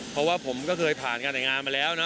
เพราะว่าผมก็เคยผ่านการแต่งงานมาแล้วนะ